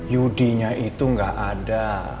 yudinya itu enggak ada